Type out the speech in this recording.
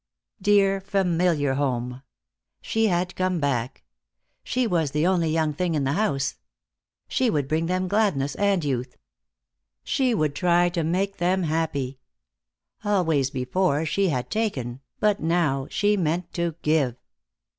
Dear, familiar home. She had come back. She was the only young thing in the house. She would bring them gladness and youth. She would try to make them happy. Always before she had taken, but now she meant to give.